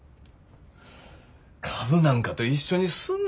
株なんかと一緒にすんな。